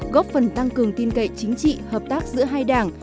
góp phần tăng cường tin cậy chính trị hợp tác giữa hai đảng